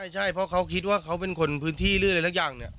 ใช่เพราะเขาคิดว่าเขาเป็นคนพื้นที่หรืออะไรสักอย่างเนี่ย